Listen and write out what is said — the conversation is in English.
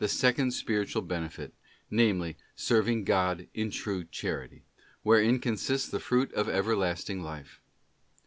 285 second spiritual benefit, namely, serving God in true Charity, wherein consists the fruit of everlasting life.